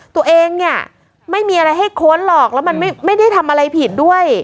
ตัวเองเนี่ยไม่มีอะไรให้ค้นหรอกแล้วมันไม่ได้ทำอะไรผิดด้วย